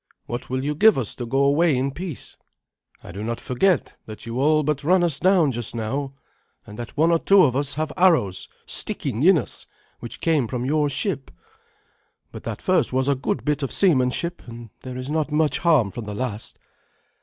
What will you give us to go away in peace? I do not forget that you all but ran us down just now, and that one or two of us have arrows sticking in us which came from your ship. But that first was a good bit of seamanship, and there is not much harm from the last."